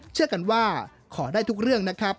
เชื่อกันว่าขอได้ทุกเรื่องนะครับ